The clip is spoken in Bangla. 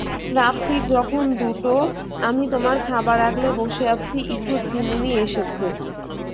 রাত্তির তখন দুটো, আমি তোমার খাবার আগলে বসে আছি, একটু ঝিমুনি এসেছে।